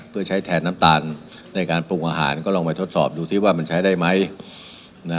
เพื่อใช้แทนน้ำตาลในการปรุงอาหารก็ลองไปทดสอบดูซิว่ามันใช้ได้ไหม